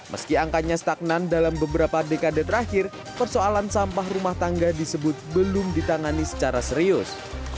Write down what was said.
meski angkanya stagnan dalam beberapa dekade terakhir persoalan sampah rumah tangga disebut belum ditangani secara serius